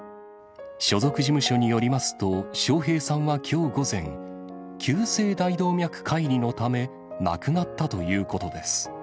所属事務所によりますと、笑瓶さんはきょう午前、急性大動脈解離のため亡くなったということです。